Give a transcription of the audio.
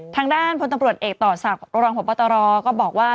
ทางด้านพลตำรวจเอกต่อศักดิ์รองพบตรก็บอกว่า